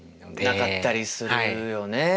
なかったりするよね。